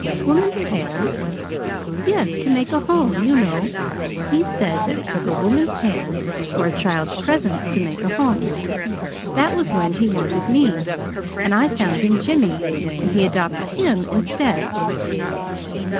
'" "'Woman's hand'?" "Yes to make a home, you know. He said that it took a woman's hand or a child's presence to make a home. That was when he wanted me, and I found him Jimmy, and he adopted him instead."